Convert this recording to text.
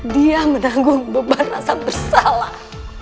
dia menanggung beban rasa bersalah